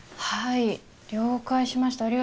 はい了解しました